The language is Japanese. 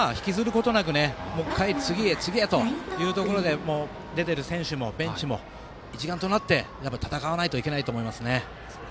ことなく、ここから次へ次へというところで出ている選手もベンチも一丸となって戦わないといけないと思います。